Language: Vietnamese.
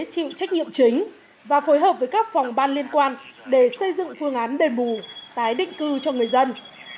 chịu trách nhiệm chính và phối hợp với các phòng ban liên quan để xây dựng phương án đền bù tái định cư cho người dân